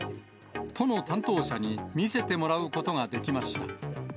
都の担当者に見せてもらうことができました。